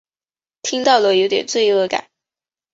听到了有点罪恶感